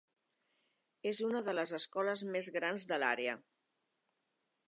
És una de les escoles més grans de l'àrea.